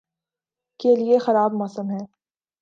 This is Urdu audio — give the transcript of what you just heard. کے لئے خرابیٔ موسم ہے۔